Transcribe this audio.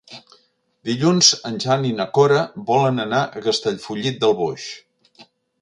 Dilluns en Jan i na Cora volen anar a Castellfollit del Boix.